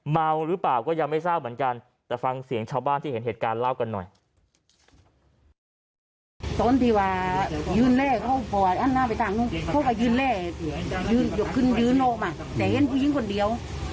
เมาหรือเปล่าก็ยังไม่ทราบเหมือนกันแต่ฟังเสียงชาวบ้านที่เห็นเหตุการณ์เล่ากันหน่อย